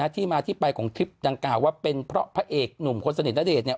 ที่มาที่ไปของคลิปดังกล่าวว่าเป็นเพราะพระเอกหนุ่มคนสนิทณเดชน์เนี่ย